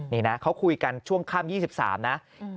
นี่นะเขาคุยกันช่วงค่ำ๒๓นะ